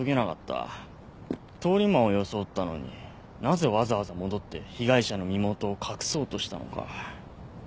通り魔を装ったのになぜわざわざ戻って被害者の身元を隠そうとしたのか。